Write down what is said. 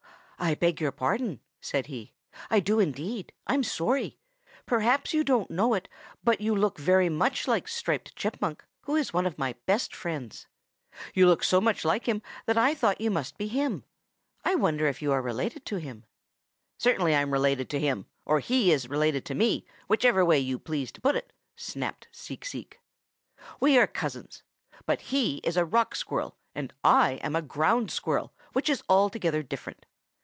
"I beg your pardon," said he. "I do indeed. I'm sorry. Perhaps you don't know it, but you look very much like Striped Chipmunk, who is one of my best friends. You look so much like him that I thought you must be him. I wonder if you are related to him." "Certainly I'm related to him, or he is related to me, whichever way you please to put it," snapped Seek Seek. "We are cousins. But he is a Rock Squirrel, and I am a Ground Squirrel which is altogether different.